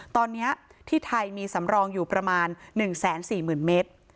ตอนนี้ที่ไทยมีสำรองอยู่ประมาณ๑๔๐๐๐เมตร